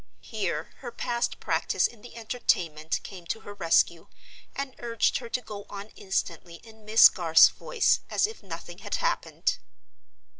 Here her past practice in the Entertainment came to her rescue, and urged her to go on instantly in Miss Garth's voice as if nothing had happened.